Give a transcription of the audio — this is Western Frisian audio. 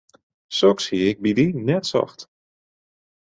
Soks hie ik by dy net socht.